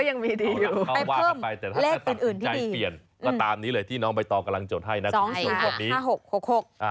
ก็ยังมีดีอยู่ให้เพิ่มเลขอื่นที่ดีก็ตามนี้เลยที่น้องใบตองกำลังจดให้นะ